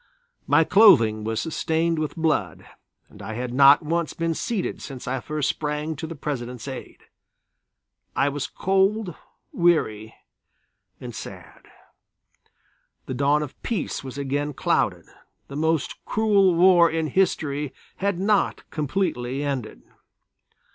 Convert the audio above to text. My clothing was stained with blood, I had not once been seated since I first sprang to the President's aid; I was cold, weary and sad. The dawn of peace was again clouded, the most cruel war in history had not completely ended.